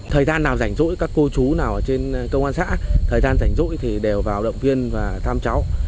thời gian nào rảnh rỗi các cô chú nào ở trên công an xã thời gian rảnh rỗi thì đều vào động viên và thăm cháu